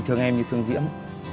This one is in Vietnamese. nhưng mà chị diễm